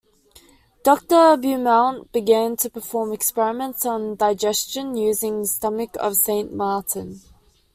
Doctor Beaumont began to perform experiments on digestion using the stomach of Saint Martin.